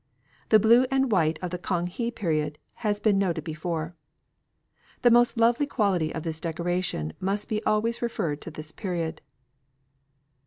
The blue and white of the Kang he period has been noted before. The most lovely quality of this decoration must be always referred to this period.